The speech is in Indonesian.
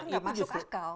itu gak masuk akal